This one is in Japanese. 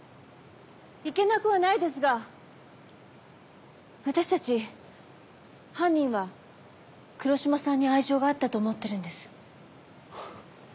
いけなくはないですが私たち犯人は黒島さんに愛情があったと思ってるんです。